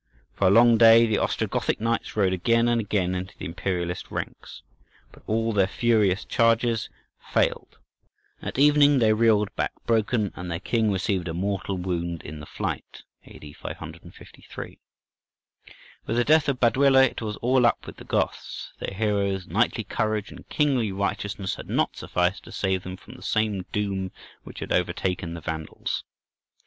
For a long day the Ostrogothic knights rode again and again into the Imperialist ranks; but all their furious charges failed. At evening they reeled back broken, and their king received a mortal wound in the flight [A.D. 553]. With the death of Baduila, it was all up with the Goths; their hero's knightly courage and kingly righteousness had not sufficed to save them from the same doom which had overtaken the Vandals.